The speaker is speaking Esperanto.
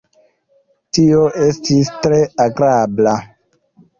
Tio estis tre agrabla.